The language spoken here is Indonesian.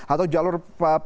atau jalur perjalanan